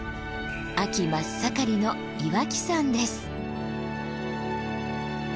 秋真っ盛りの岩木山です。